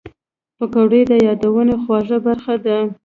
پکورې د یادونو خواږه برخه ده